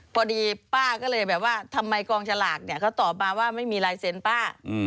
พอดีป้าก็เลยแบบว่าทำไมกองฉลากเนี่ยเขาตอบมาว่าไม่มีลายเซ็นต์ป้า